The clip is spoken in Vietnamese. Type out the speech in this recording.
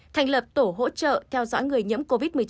thành lập tổ hỗ trợ theo dõi người nhiễm covid một mươi chín